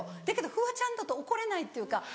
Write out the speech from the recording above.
だけどフワちゃんだと怒れないっていうか。